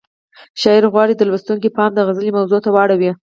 شاعر غواړي د لوستونکو پام د غزل موضوع ته واړوي.